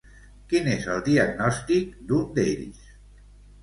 Quin és el diagnòstic d'un d'ells?